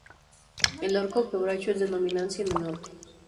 El orco quebracho es de dominancia en el norte.